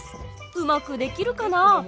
うまくできるかな？